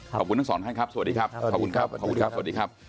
ขอบคุณทั้งสองท่านครับสวัสดีครับขอบคุณครับขอบคุณครับสวัสดีครับ